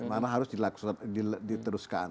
karena harus diteruskan